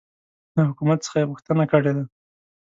د حکومت څخه یي غوښتنه کړې ده